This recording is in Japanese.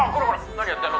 何やってんの？